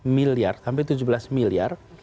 enam belas miliar sampai tujuh belas miliar